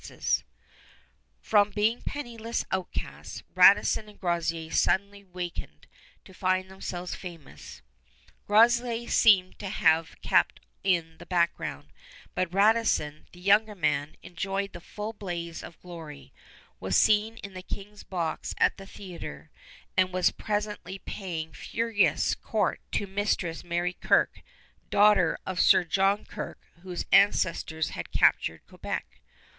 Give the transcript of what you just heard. [Illustration: Charles II] From being penniless outcasts, Radisson and Groseillers suddenly wakened to find themselves famous. Groseillers seems to have kept in the background, but Radisson, the younger man, enjoyed the full blaze of glory, was seen in the King's box at the theater, and was presently paying furious court to Mistress Mary Kirke, daughter of Sir John Kirke, whose ancestors had captured Quebec.